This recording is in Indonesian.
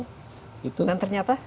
dan ternyata hasilnya ada